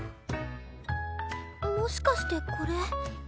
もしかしてこれ。